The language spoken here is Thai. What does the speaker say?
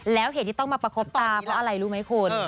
แล้วเหตุที่ต้องมาประคบตาเพราะอะไรรู้ไหมคุณ